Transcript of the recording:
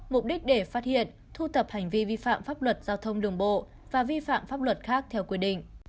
mục đích để phát hiện thu thập hành vi vi phạm pháp luật giao thông đường bộ và vi phạm pháp luật khác theo quy định